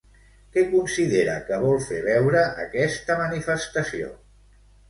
Què considera que vol fer veure aquesta manifestació?